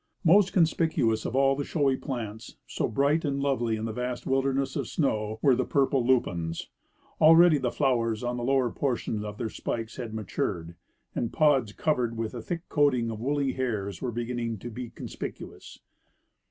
Most conspicuous of all the showy plants, so bright and lovely in the vast wilderness of snow, were the purple lupines. Already the flowers on the lower portions of their spikes had matured, and pods covered with a thick coating of wooly hairs were beginning to be conspicuous.